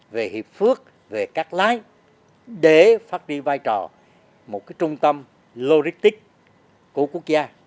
về hiệp phước về các lái để phát triển vai trò một trung tâm lô rích tích của quốc gia